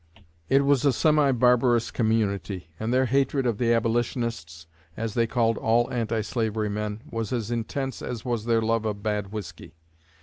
It was a semi barbarous community, and their hatred of the Abolitionists, as they called all anti slavery men, was as intense as was their love of bad whiskey.